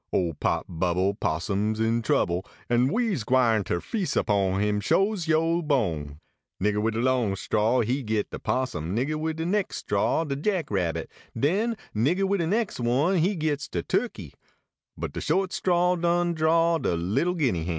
Ole pot bubble Possum s in trouble, An vve s gwine ter feas upon im sho s yo bo n. Nigger wid de long straw he git de possum ; Nigger wid de nex straw de jack rabbit ; den Nigger wid de nex one he gits de turkey, But de short straw done draw de little Guinea hen.